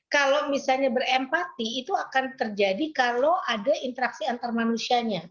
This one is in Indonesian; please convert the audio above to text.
kalau misalnya berempati itu akan terjadi kalau ada interaksi antar manusianya